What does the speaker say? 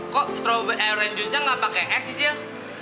kok strawberry eh orange juice nya gak pake es sisil